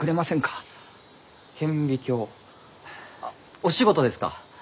あっお仕事ですか？